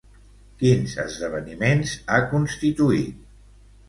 Quins esdeveniments ha constituït?